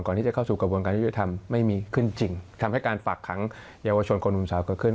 ที่จะเข้าสู่กระบวนการยุทธิธรรมไม่มีขึ้นจริงทำให้การฝากขังเยาวชนคนหนุ่มสาวเกิดขึ้น